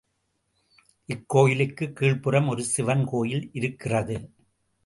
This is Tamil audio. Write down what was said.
இக்கோயிலுக்குப் கீழ்புறம் ஒரு சிவன் கோயில் இருக்கிறது.